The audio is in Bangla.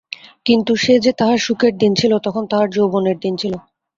কিন্তু সে যে তাঁহার সুখের দিন ছিল, তখন তাঁহার যৌবনের দিন ছিল।